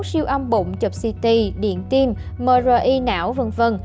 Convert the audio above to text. siêu âm bụng chụp ct điện tim mri não v v